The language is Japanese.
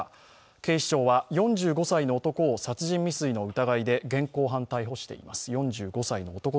警視庁は４５歳の男を殺人未遂の疑いで現行犯逮捕しています。